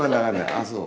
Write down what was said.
ああそう。